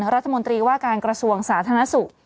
รัฐมนตรีว่าการกระทรวงสาธารณสุข